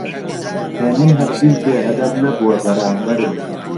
هێمن هەرگیز بێئەدەب نەبووە بەرامبەرم.